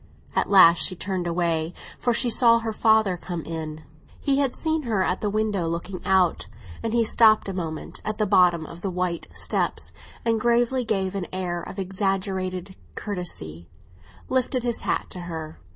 At last she turned away, for she saw her father come in. He had seen her at the window looking out, and he stopped a moment at the bottom of the white steps, and gravely, with an air of exaggerated courtesy, lifted his hat to her.